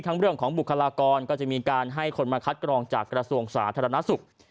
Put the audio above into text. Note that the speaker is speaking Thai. เรื่องของบุคลากรก็จะมีการให้คนมาคัดกรองจากกระทรวงสาธารณสุข